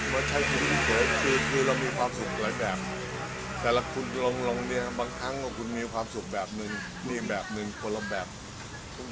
ไม่ได้งอนแค่เราออกมืออยากอกมาใช้ชีวิตเฉยแค่นั้นเองไม่ได้งอนแค่เราอยากออกมาใช้ชีวิตเฉยแค่นั้นเอง